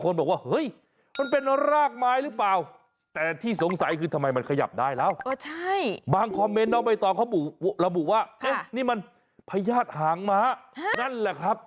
แล้วต่อเราบอกว่านี่มันพญาติหางม้านั่นแหละครับ